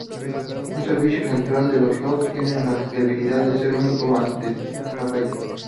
Un servidor central de logs tiene la debilidad de ser único ante una falla.